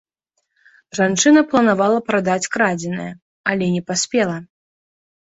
Жанчына планавала прадаць крадзенае, але не паспела.